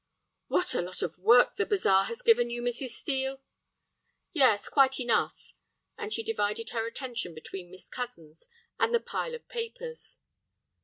"What a lot of work the bazaar has given you, Mrs. Steel!" "Yes, quite enough," and she divided her attention between Miss Cozens and the pile of papers.